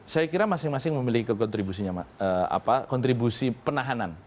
saya kira masing masing memiliki kontribusi penahanan